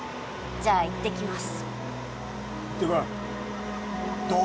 じゃあ行ってきます